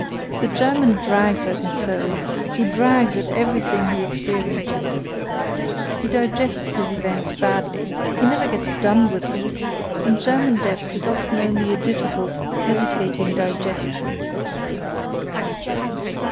The German DRAGS at his soul, he drags at everything he experiences. He digests his events badly; he never gets "done" with them; and German depth is often only a difficult, hesitating "digestion."